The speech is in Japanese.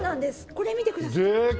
これ見てください。